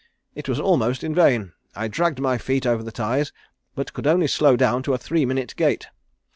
It was almost in vain; I dragged my feet over the ties, but could only slow down to a three minute gait.